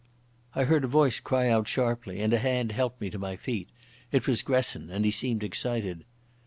I heard a voice cry out sharply, and a hand helped me to my feet. It was Gresson, and he seemed excited.